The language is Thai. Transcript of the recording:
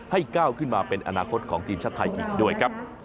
ก้าวขึ้นมาเป็นอนาคตของทีมชาติไทยอีกด้วยครับ